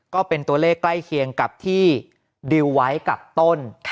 ก็เป็นตัวเลขใกล้เคียงกับที่ดิวไว้กับต้น